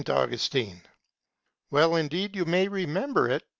Augustine._ Well indeed may you remember it.